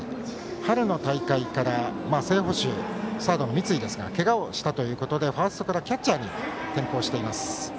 春の大会から、正捕手現在サードの三井がけがをしたということでファーストからキャッチャーに転向しています。